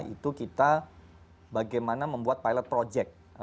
itu kita bagaimana membuat pilot project